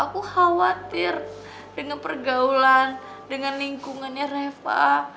aku khawatir dengan pergaulan dengan lingkungannya reva